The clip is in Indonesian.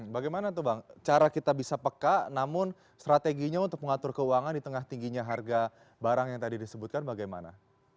bagaimana tuh bang cara kita bisa peka namun strateginya untuk mengatur keuangan di tengah tingginya harga barang yang tadi disebutkan bagaimana